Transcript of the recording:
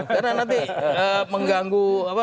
karena nanti mengganggu